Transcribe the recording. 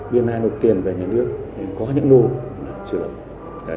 biên an nộp tiền về nhà nước có những lô là chưa lột